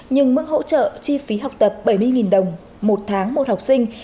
nhưng mức hỗ trợ chi phí học tập bảy mươi đồng một tháng một học sinh